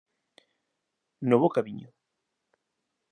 No bo camiño